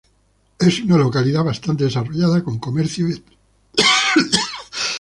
Es una localidad bastante desarrollada, con comercios y establecimientos públicos de todo tipo.